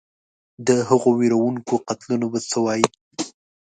د هغو وېروونکو قتلونو به څه ووایې.